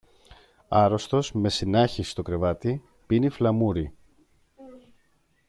Άρρωστος με συνάχι στο κρεβάτι, πίνει φλαμούρι